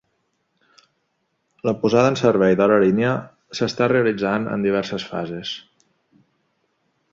La posada en servei de la línia s'està realitzant en diverses fases.